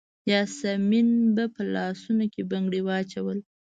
یاسمین به په لاسونو کې بنګړي وراچول.